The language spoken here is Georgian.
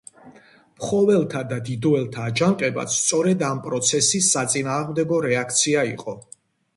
ფხოველთა და დიდოელთა აჯანყებაც სწორედ ამ პროცესის საწინააღმდეგო რეაქცია იყო.